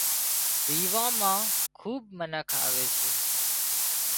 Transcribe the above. ويوان مان کُوٻ منک آوي سي